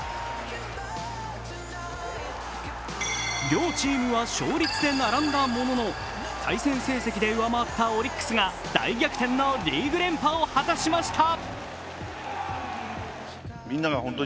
両チームは勝率で並んだものの対戦成績で上回ったオリックスが大逆転のリーグ連覇を果たしました。